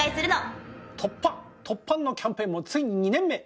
ＴＯＰＰＡＮ」のキャンペーンもついに２年目。